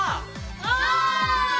お！